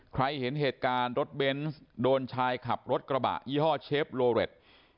เห็นเหตุการณ์รถเบนส์โดนชายขับรถกระบะยี่ห้อเชฟโลเรต